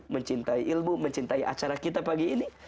mencintai ilmu mencintai acara kita pagi ini